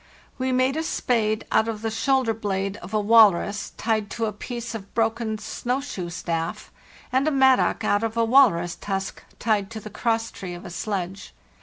We made a spade out of the shoulder blade of a walrus tied to a piece of a broken snow shoe staff, and a mattock out of a walrus tusk tied to the crosstree of a sledge.